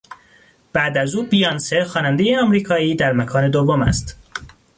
بعد از او بیانسه خواننده آمریکایی در مکان دوم است